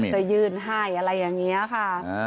จะยื่นให้อะไรอย่างนี้ค่ะ